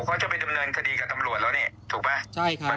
ก็จะไปดำเนินคดีกับตำรวจแล้วเนี่ยถูกป่ะ